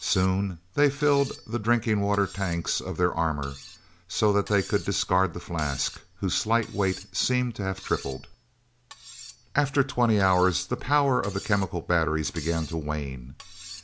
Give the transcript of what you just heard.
Soon they filled the drinking water tanks of their armor, so that they could discard the flask, whose slight weight seemed to have tripled. After twenty hours, the power of the chemical batteries began to wane.